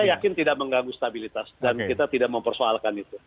saya yakin tidak mengganggu stabilitas dan kita tidak mempersoalkan itu